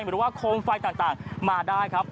หรือว่าโคมไฟต่างมาได้ครับ